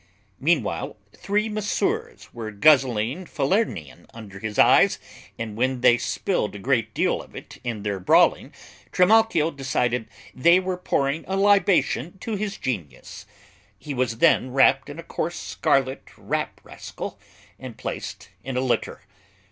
Meanwhile, three masseurs were guzzling Falernian under his eyes, and when they spilled a great deal of it in their brawling, Trimalchio declared they were pouring a libation to his Genius. He was then wrapped in a coarse scarlet wrap rascal, and placed in a litter.